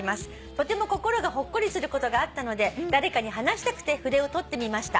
「とても心がほっこりすることがあったので誰かに話したくて筆を執ってみました」